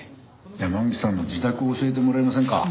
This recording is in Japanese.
山口さんの自宅を教えてもらえませんか？